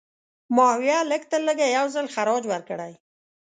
ماهویه لږترلږه یو ځل خراج ورکړی.